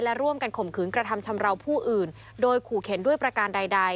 และร่วมกันข่มขืนกระทำชำราวผู้อื่นโดยขู่เข็นด้วยประการใด